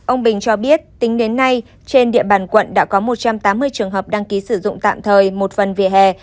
ông bình cho biết tính đến nay trên địa bàn quận đã có một trăm tám mươi trường hợp đăng ký sử dụng tạm thời một phần vỉa hè